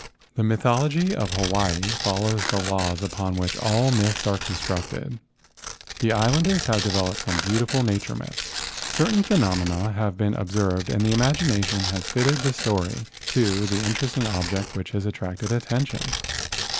The mythology of Hawaii follows the laws upon which all myths are constructed. The Islanders have developed some beautiful nature myths. Certain phenomena have been observed and the imagination has fitted the story to the interesting object which has at¬ tracted attention.